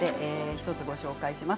１つご紹介します。